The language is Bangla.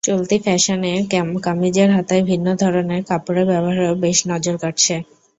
চলতি ফ্যাশনে কামিজের হাতায় ভিন্ন ধরনের কাপড়ের ব্যবহারও বেশ নজর কাড়ছে।